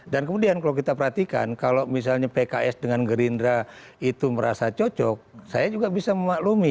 dan kemudian kalau kita perhatikan kalau misalnya pks dengan gerindra itu merasa cocok saya juga bisa memaklumi